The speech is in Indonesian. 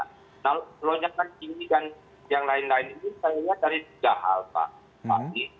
nah lonjakan ini dan yang lain lain ini saya lihat dari tiga hal pak